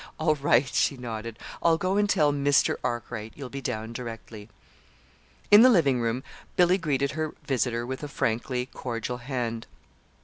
"All right," she nodded. "I'll go and tell Mr. Arkwright you'll be down directly." In the living room Billy greeted her visitor with a frankly cordial hand.